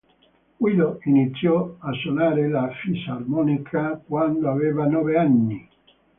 Guido iniziò a suonare la fisarmonica quando aveva nove anni.